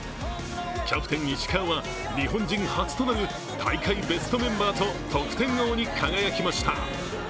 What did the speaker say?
キャプテン・石川は日本人初となる大会ベストメンバーと得点王に輝きました。